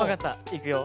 いくよ。